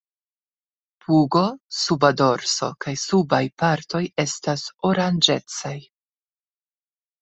Pugo, suba dorso kaj subaj partoj estas oranĝecaj.